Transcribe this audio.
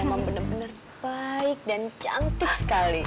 emang bener bener baik dan cantik sekali